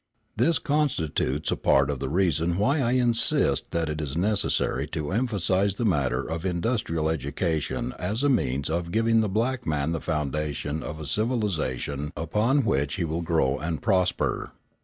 This constitutes a part of the reason why I insist that it is necessary to emphasise the matter of industrial education as a means of giving the black man the foundation of a civilisation upon which he will grow and prosper.